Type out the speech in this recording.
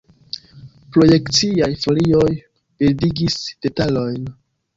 Projekciaj folioj bildigis detalojn.